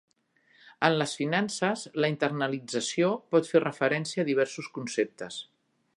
En les finances, la internalització pot fer referència a diversos conceptes.